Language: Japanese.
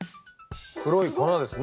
黒い粉ですね。